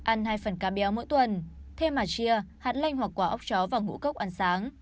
ăn hai phần cá béo mỗi tuần thêm hạt chia hạt lanh hoặc quả óc chó và ngũ cốc ăn sáng